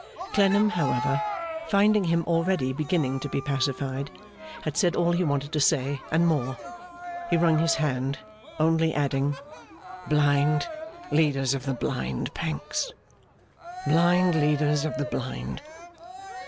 Clennam, however, finding him already beginning to be pacified, had said all he wanted to say, and more. He wrung his hand, only adding, 'Blind leaders of the blind, Pancks! Blind leaders of the blind!